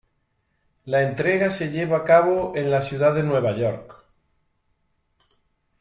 La entrega se lleva a cabo en la ciudad de Nueva York.